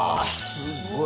すごい！